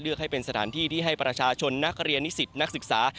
ให้เป็นสถานที่ที่ให้ประชาชนนักเรียนนิสิตนักศึกษา